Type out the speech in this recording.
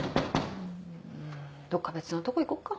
うんどっか別のとこ行こっか。